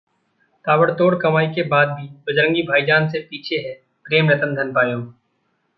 ताबड़तोड़ कमाई के बाद भी 'बजरंगी भाईजान' से पीछे है 'प्रेम रतन धन पायो'